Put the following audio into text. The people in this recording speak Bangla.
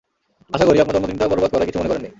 আশা করি, আপনার জন্মদিনটা বরবাদ করায় কিছু মনে করেননি।